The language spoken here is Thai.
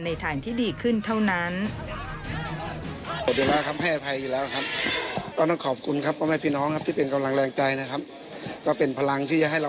ฐานที่ดีขึ้นเท่านั้น